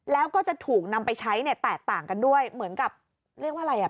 แล้วก็จะถูกนำไปใช้เนี่ยแตกต่างกันด้วยเหมือนกับเรียกว่าอะไรอ่ะ